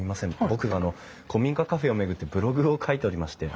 僕あの古民家カフェを巡ってブログを書いておりまして。